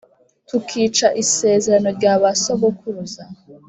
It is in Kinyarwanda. tukica isezerano rya ba sogokuruza?